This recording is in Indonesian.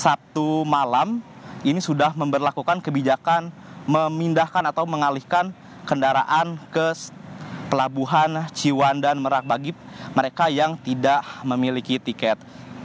sabtu malam ini sudah memperlakukan kebijakan memindahkan atau mengalihkan kendaraan ke pelabuhan ciwandan merak bagi mereka yang tidak memiliki tiket